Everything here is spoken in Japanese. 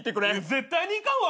絶対に行かんわ。